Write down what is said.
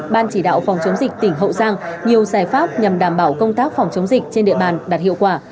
ban chỉ đạo phòng chống dịch tỉnh hậu giang nhiều giải pháp nhằm đảm bảo công tác phòng chống dịch trên địa bàn đạt hiệu quả